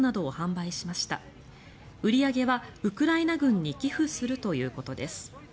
売り上げはウクライナ軍に寄付するということです。